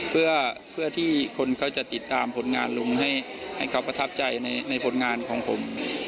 เพื่อที่คนเขาจะติดตามผลงานลุงให้เขาประทับใจในผลงานของผม